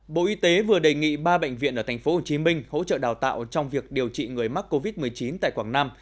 bộ y tế vừa đề nghị ba bệnh viện ở tp hcm hỗ trợ đào tạo trong việc điều trị người mắc covid một mươi chín tại quảng nam